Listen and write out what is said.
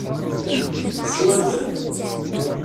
Swan-ten?